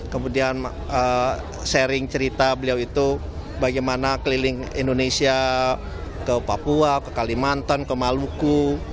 kemudian sharing cerita beliau itu bagaimana keliling indonesia ke papua ke kalimantan ke maluku